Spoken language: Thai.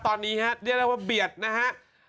ตอนนี้ฮะเรียกได้ว่าเบียดนะฮะ